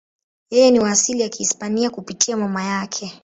Yeye ni wa asili ya Kihispania kupitia mama yake.